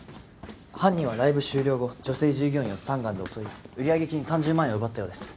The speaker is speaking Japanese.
犯人はライブ終了後女性従業員をスタンガンで襲い売上金３０万円を奪ったようです。